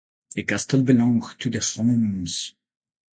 The castle belonged to the Homes.